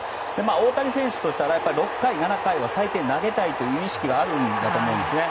大谷選手としては６回、７回は最低でも投げたい意識はあると思うんですね。